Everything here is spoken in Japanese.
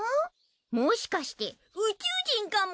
もしかして宇宙人かも！